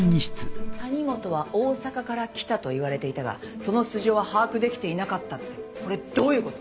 「谷本は大阪から来たといわれていたがその素性は把握できていなかった」ってこれどういうこと？